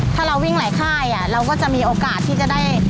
ถ้าเราวิ่งหลายค่ายเราก็จะมีโอกาสที่จะได้